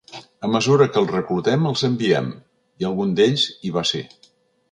A mesura que els reclutem els enviem, i algun d’ells hi va ser.